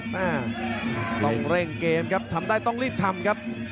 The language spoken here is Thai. แม่ต้องเร่งเกมครับทำได้ต้องรีบทำครับ